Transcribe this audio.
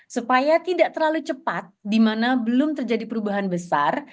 supaya tidak terlalu cepat di mana belum terjadi perubahan besar